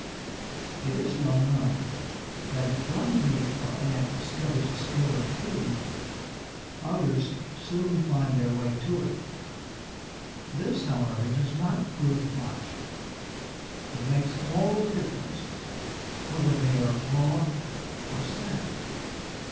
It is well known that if one bee or ant discovers a store of food, others soon find their way to it. This, however, does not prove much. It makes all the difference whether they are brought or sent.